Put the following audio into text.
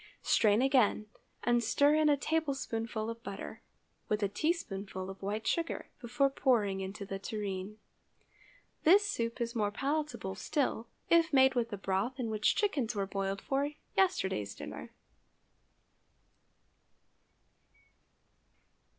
Strain again, and stir in a tablespoonful of butter, with a teaspoonful of white sugar, before pouring into the tureen. This soup is more palatable still if made with the broth in which chickens were boiled for yesterday's dinner.